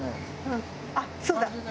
あっそうだ！